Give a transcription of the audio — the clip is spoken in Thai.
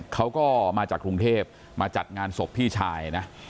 เขาก็มาจากกรุงเทพมาจัดงานศพพี่ชายนะ